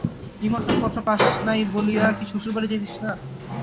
নিমন্ত্রণ পত্র পাস নাই বলিয়া কি শ্বশুর বাড়ি যাইতিস না?